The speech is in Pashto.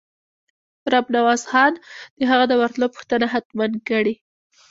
رب نواز خان د هغه د ورتلو پوښتنه حتماً کړې.